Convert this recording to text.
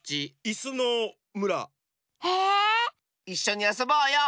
いっしょにあそぼうよ。